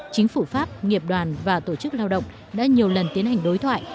chính phủ pháp nghiệp đoàn và tổ chức lao động đã nhiều lần tiến hành đối thoại